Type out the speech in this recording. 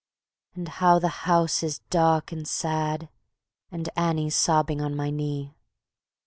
And how the house is dark and sad, And Annie's sobbing on my knee!